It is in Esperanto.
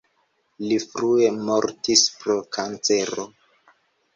Li frue mortis pro kancero.